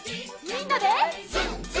みんなで！